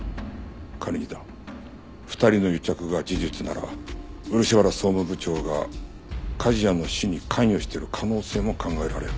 仮にだ２人の癒着が事実なら漆原総務部長が梶谷の死に関与してる可能性も考えられる。